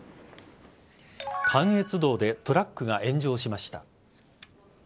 関越道でトラックが炎上しました。